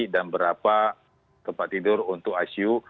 dan berapa tempat tidur untuk icu